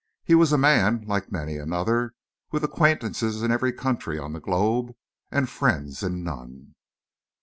He was a man, like many another, with acquaintances in every country on the globe, and friends in none.